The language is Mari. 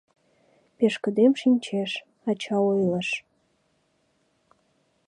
«Пешкыдем шинчеш», ача ойлыш.